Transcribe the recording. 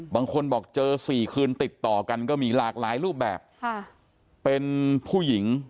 บางคนบอกเจอ๔คืนติดต่อกันก็มีหลากหลายรูปแบบเป็นผู้หญิง